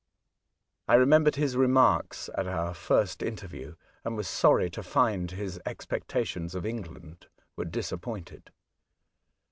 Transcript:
I remembered his remarks at our first interview, and was sorry to find his expectations of England were disappointed.